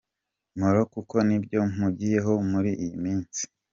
Molo kuko nibyo mpugiyeho muri iyi minsi.